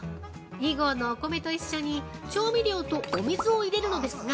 ２合のお米と一緒に調味料とお水を入れるのですが。